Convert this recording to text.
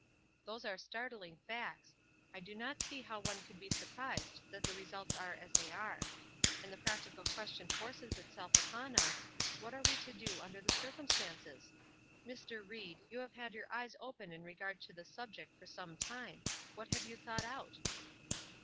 "Those are startling facts. I do not see how one could be surprised that the results are they are; and the practical question forces itself upon us, What are we to do under the circumstances? Mr. Ried, you have had your eyes open in regard to this subject for some time; what have you thought out?"